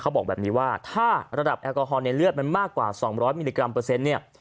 บอกแบบนี้ว่าถ้าระดับแอลกอฮอลในเลือดมันมากกว่า๒๐๐มิลลิกรัมเปอร์เซ็นต์เนี่ย